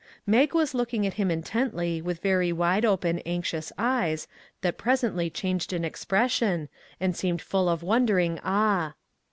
Mag was looking at him intently with very 269 MAG AND MARGARET wide open, anxious eyes, that presently changed in expression, and seemed full of wondering awe.